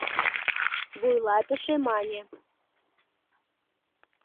Вуйлатыше мане: